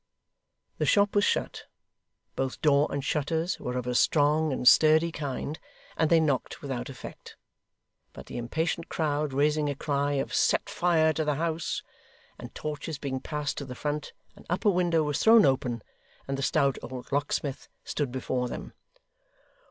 The shop was shut. Both door and shutters were of a strong and sturdy kind, and they knocked without effect. But the impatient crowd raising a cry of 'Set fire to the house!' and torches being passed to the front, an upper window was thrown open, and the stout old locksmith stood before them.